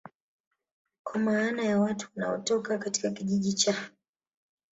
kwa maana ya Watu wanaotoka katika Kijiji cha